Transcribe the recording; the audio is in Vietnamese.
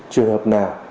trường hợp nào